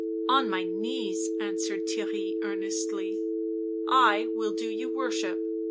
" On my knees," answered Theirry earnestly, " I will do you worship.